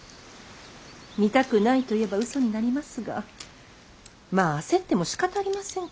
見たくないと言えば嘘になりますがまあ焦ってもしかたありませんから。